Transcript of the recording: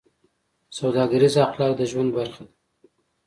سوداګریز اخلاق د ژوند برخه ده.